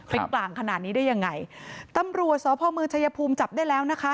เป็นกลางขนาดนี้ได้ยังไงตำรวจสพมชายภูมิจับได้แล้วนะคะ